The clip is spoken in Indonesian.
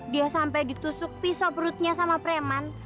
dia sampai ditusuk pisau perutnya sama preman